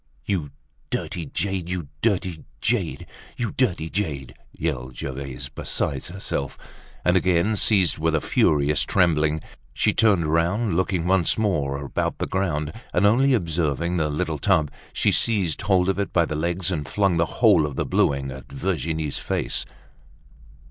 "You dirty jade! You dirty jade! You dirty jade!" yelled Gervaise, beside herself, and again seized with a furious trembling. She turned round, looking once more about the ground; and only observing the little tub, she seized hold of it by the legs, and flung the whole of the bluing at Virginie's face.